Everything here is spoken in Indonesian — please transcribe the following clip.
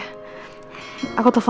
berima kasih mas